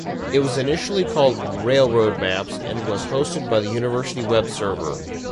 It was initially called "Railroad Maps" and was hosted by the university Web server.